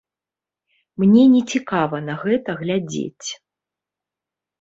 Мне нецікава на гэта глядзець.